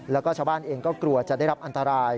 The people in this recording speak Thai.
แล้วก็ชาวบ้านเองก็กลัวจะได้รับอันตราย